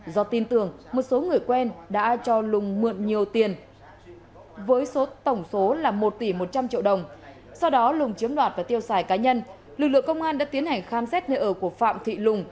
do tin tưởng một số người quen đã cho lùng mượn nhiều tiền với tổng số là một tỷ một trăm linh triệu đồng sau đó lùng chiếm đoạt và tiêu xài cá nhân lực lượng công an đã tiến hành khám xét nơi ở của phạm thị lùng